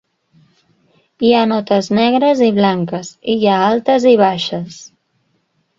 Hi ha notes negres i blanques, i hi ha altes i baixes.